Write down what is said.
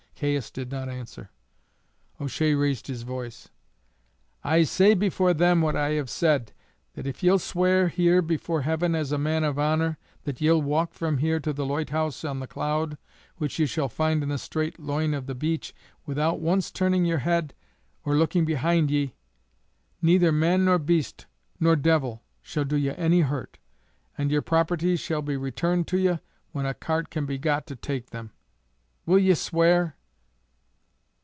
Caius did not answer. O'Shea raised his voice: "I say before them what I have said, that if ye'll swear here before heaven, as a man of honour, that ye'll walk from here to the loighthouse on The Cloud which ye shall find in the straight loine of the beach without once turning yer head or looking behoind ye, neither man nor beast nor devil shall do ye any hurt, and yer properties shall be returned to ye when a cart can be got to take them. Will ye swear?"